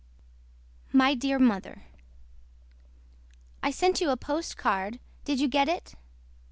MY DEAR MOTHER I SENT YOU A POSTCARD DID YOU GET IT.